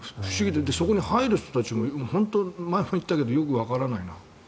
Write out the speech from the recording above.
そこに入る人たちも前も言ったけどよくわからないな。